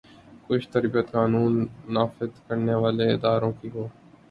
کچھ تربیت قانون نافذ کرنے والے اداروں کی ہو۔